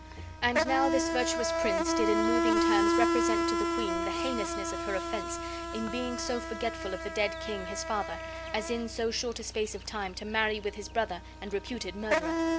And now this virtuous prince did in moving terms represent to the queen the heinousness of her offense in being so forgetful of the dead king, his father, as in so short a space of time to marry with his brother and reputed murderer.